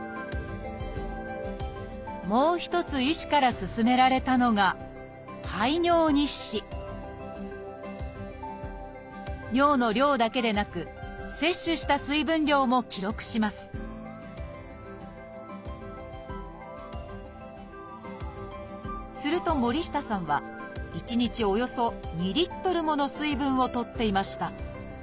もう一つ医師から勧められたのが排尿日誌尿の量だけでなく摂取した水分量も記録しますすると森下さんは１日およそ２Ｌもの水分をとっていました。